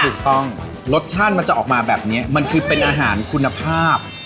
ถูกต้องรสชาติมันจะออกมาแบบนี้มันคือเป็นอาหารคุณภาพ